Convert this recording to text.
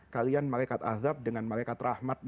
kalian malaikat azab dengan malaikat rahmat